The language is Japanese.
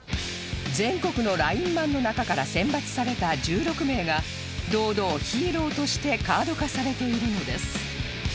全国のラインマンの中から選抜された１６名が堂々ヒーローとしてカード化されているのです